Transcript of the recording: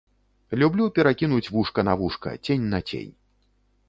Люблю перакінуць вушка на вушка, цень на цень.